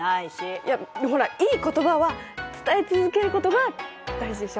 いやほらいい言葉は伝え続けることが大事でしょ。